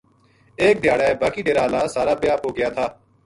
ایک دھیاڑے باقی ڈیرا ہالا سارا بیاہ پو گیا تھا